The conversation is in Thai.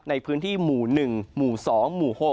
ในพื้นที่หมู่๑หมู่๒หมู่๖